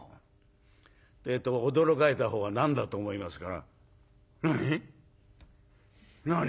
ってえと驚かれた方は何だと思いますから「えっ！？何？」。